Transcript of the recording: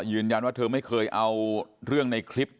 ยืนยันว่าเธอไม่เคยเอาเรื่องในคลิป